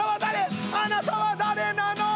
あなたは誰なの！